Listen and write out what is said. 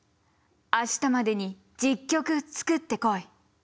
明日までに１０曲作ってこい」。